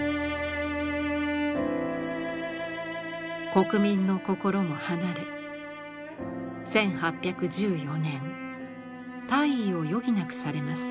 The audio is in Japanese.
国民の心も離れ１８１４年退位を余儀なくされます。